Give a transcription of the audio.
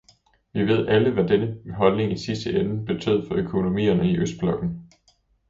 Vi ved alle, hvad denne holdning i sidste ende betød for økonomierne i østblokken.